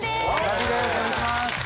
お願いします！